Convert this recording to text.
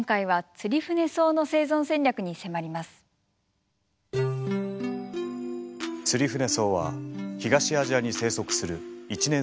ツリフネソウは東アジアに生息する一年生の植物。